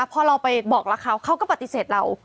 พอเราไปบอกรักเขาเขาก็ปฏิเสธเรา